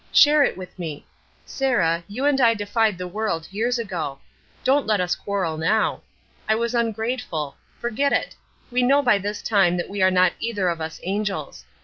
Share it with me! Sarah, you and I defied the world years ago. Don't let us quarrel now. I was ungrateful. Forget it. We know by this time that we are not either of us angels.